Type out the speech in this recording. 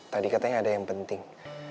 tadi katanya ada yang penting